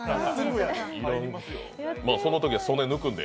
そのときは曽根抜くんで。